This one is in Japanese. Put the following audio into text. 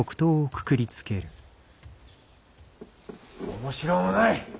面白うもない。